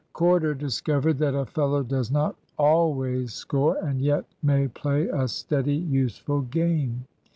Corder discovered that a fellow does not always score, and yet may play a steady, useful game.